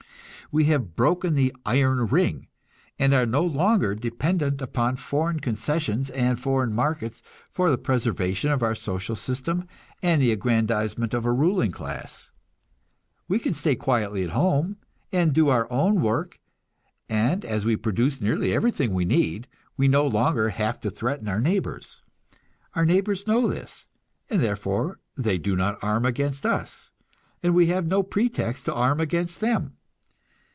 We have broken the "iron ring," and are no longer dependent upon foreign concessions and foreign markets for the preservation of our social system and the aggrandizement of a ruling class. We can stay quietly at home and do our own work, and as we produce nearly everything we need, we no longer have to threaten our neighbors. Our neighbors know this, and therefore they do not arm against us, and we have no pretext to arm against them.